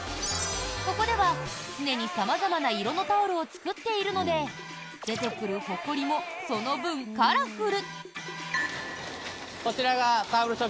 ここでは常に様々な色のタオルを作っているので出てくるほこりもその分、カラフル。